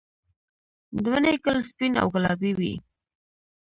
د مڼې ګل سپین او ګلابي وي؟